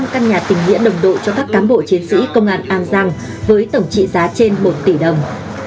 một mươi năm căn nhà tỉnh nghĩa đồng đội cho các cán bộ chiến sĩ công an an giang với tổng trị giá trên một tỷ đồng